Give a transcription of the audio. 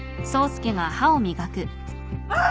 あっ！